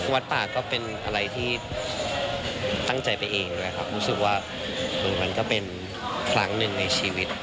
วัดป่าก็เป็นอะไรที่ตั้งใจไปเองด้วยครับรู้สึกว่ามันก็เป็นครั้งหนึ่งในชีวิต